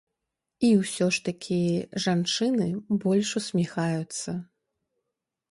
І ўсё ж такі жанчыны больш усміхаюцца.